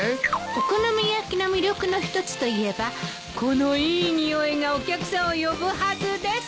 お好み焼きの魅力の一つといえばこのいい匂いがお客さんを呼ぶはずです。